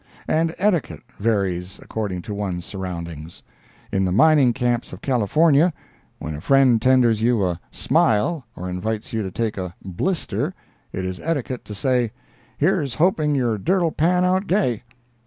And etiquette varies according to one's surroundings. In the mining camps of California, when a friend tenders you a "smile" or invites you to take a "blister," it is etiquette to say, "Here's hoping your dirt'll pan out gay."